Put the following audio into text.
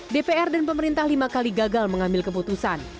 dpr dan pemerintah lima kali gagal mengambil keputusan